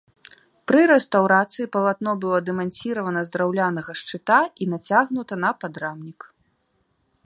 Пры рэстаўрацыі палатно было дэманціравана з драўлянага шчыта і нацягнута на падрамнік.